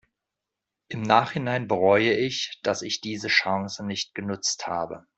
Im Nachhinein bereue ich, dass ich diese Chance nicht genutzt habe.